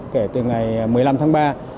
kể từ ngày một mươi năm tháng ba